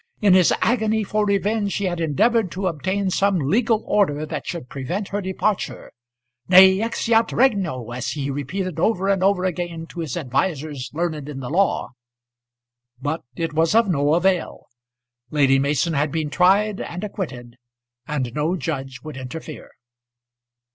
In his agony for revenge he had endeavoured to obtain some legal order that should prevent her departure; "ne exeat regno," as he repeated over and over again to his advisers learned in the law. But it was of no avail. Lady Mason had been tried and acquitted, and no judge would interfere.